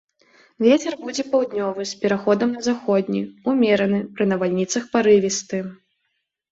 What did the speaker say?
Вецер будзе паўднёвы з пераходам на заходні, умераны, пры навальніцах парывісты.